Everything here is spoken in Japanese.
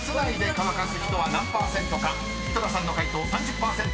［井戸田さんの解答３０％。